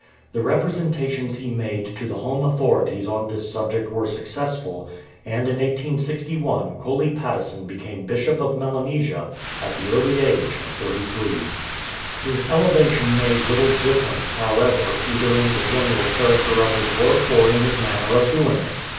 The representations he made to the home authorities on this subject were successful, and in 1861 Coley Patteson became Bishop of Melanesia at the early age of thirty three. 278 EXCITING ADVENTURES His elevation made little difference, however, either in the general character of his work or in his manner of doing it.